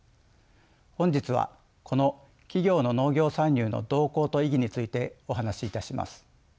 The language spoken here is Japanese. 本日はこの企業の農業参入の動向と意義についてお話しいたします。